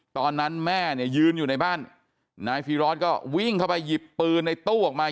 ตอนนั้นแม่เนี่ยยืนอยู่ในบ้านนายฟีรอสก็วิ่งเข้าไปหยิบปืนในตู้ออกมา